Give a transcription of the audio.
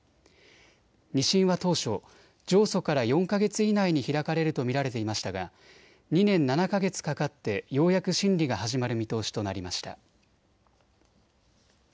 ２審は当初、上訴から４か月以内に開かれると見られていましたが２年７か月かかってようやく審理が始まる見通しとなりました。